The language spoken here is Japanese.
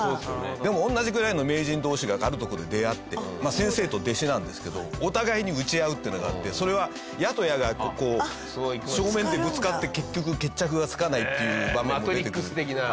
でも同じぐらいの名人同士があるところで出会って先生と弟子なんですけどお互いに打ち合うっていうのがあってそれは矢と矢が正面でぶつかって結局決着がつかないっていう場面も出てくる。